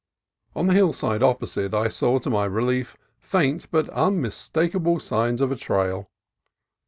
On the hill side opposite I saw to my relief faint but unmistak able signs of a trail.